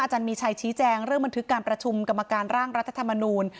มีชัยชี้แจงเรื่องบันทึกการประชุมกรรมการร่างรัฐธรรมนูล